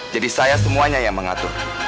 jadi saya semuanya yang mengatur